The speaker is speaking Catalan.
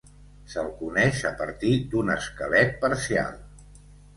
Se'l coneix a partir d'un esquelet parcial.